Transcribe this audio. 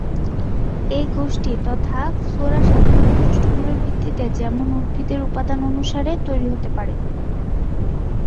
এই গোষ্ঠী তথা ফ্লোরা সাধারণ বৈশিষ্ট্যগুলির ভিত্তিতে যেমন উদ্ভিদের উপাদান অনুসারে তৈরি হতে পারে।